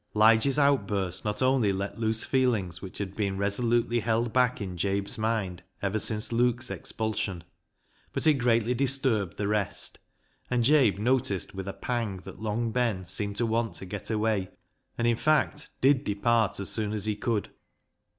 Lige's outburst not only let loose feelings which had been resolutely held back in Jabe's mind ever since Luke's expulsion, but it greatly disturbed the rest, and Jabe noticed with a pang that Long Ben seemed to want to get away, and, in fact, did depart as soon as he could.